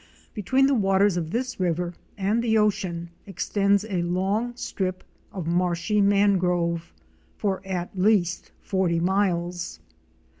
Between the waters of this river and the ocean extends a long narrow strip of marshy mangrove, for at least forty miles.